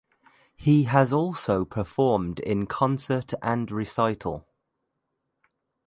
He has also performed in concert and recital.